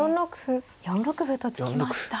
４六歩と突きました。